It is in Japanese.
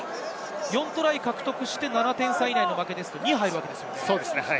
４トライ獲得して７点差以内なら２が入るわけですよね。